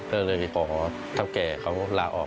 เรื่อยขอเท่าแก่เขาลาออก